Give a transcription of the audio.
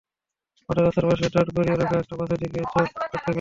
হঠাৎ রাস্তার পাশে দাঁড় করিয়ে রাখা একটা বাসের দিকে চোখ আটকে গেল।